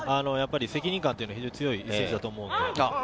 責任感というのは非常に強い選手だと思うので。